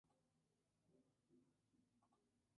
La hacienda se dedicó principalmente a la producción de lácteos.